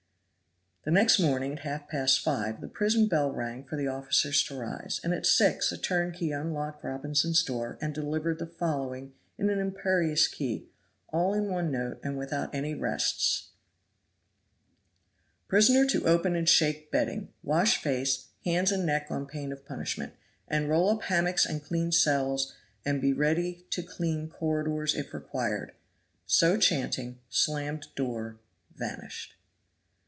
The next morning, at half past five, the prison bell rang for the officers to rise, and at six a turnkey unlocked Robinson's door, and delivered the following in an imperious key, all in one note and without any rests: "Prisoner to open and shake bedding, wash face, hands and neck on pain of punishment, and roll up hammocks and clean cells and be ready to clean corridors if required." So chanting slammed door vanished.